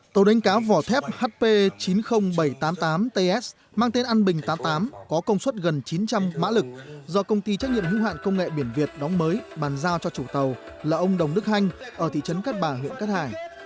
tàu đánh cá vỏ thép hp chín mươi nghìn bảy trăm tám mươi tám ts mang tên an bình tám mươi tám có công suất gần chín trăm linh mã lực do công ty trách nhiệm hữu hạn công nghệ biển việt đóng mới bàn giao cho chủ tàu là ông đồng đức hanh ở thị trấn cát bà huyện cát hải